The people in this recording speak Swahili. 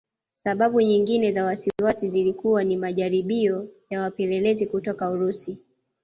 Sababu nyingine za wasiwasi zilikuwa ni majaribio ya wapelelezi kutoka Urusi